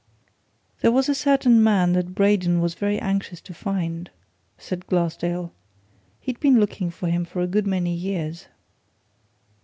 "There was a certain man that Braden was very anxious to find," said Glassdale. "He'd been looking for him for a good many years."